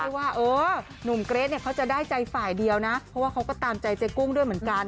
ว่าเออหนุ่มเกรทเนี่ยเขาจะได้ใจฝ่ายเดียวนะเพราะว่าเขาก็ตามใจเจ๊กุ้งด้วยเหมือนกัน